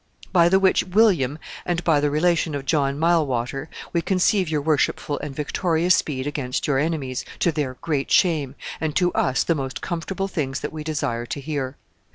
[A] "By the which William, and by the relation of John Milewater, we conceive your worshipful and victorious speed against your enemies, to their great shame, and to us the most comfortable things that we desire to hear.